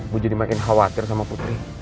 bu jadi makin khawatir sama putri